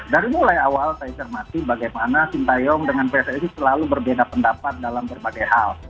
dari mulai awal saya cermati bagaimana sinta young dengan psi itu selalu berbeda pendapat dalam berbagai hal